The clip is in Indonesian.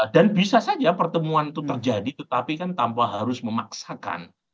dan bisa saja pertemuan itu terjadi tetapi kan tanpa harus memaksakan